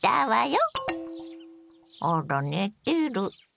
あら寝てる。